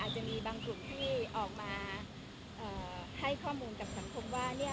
จะมีบางกลุ่มที่ออกมาให้ข้อมูลกับสังคมว่าเนี่ย